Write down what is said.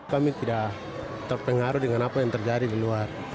kami tidak terpengaruh dengan apa yang terjadi di luar